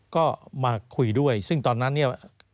ก็มาคุยด้วยซึ่งตอนนั้นเนี่ย